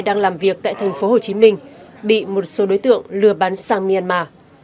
đang làm việc tại thành phố hồ chí minh bị một số đối tượng lừa bán sang myanmar